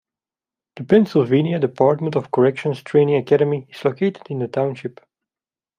The Pennsylvania Department of Corrections Training Academy is located in the township.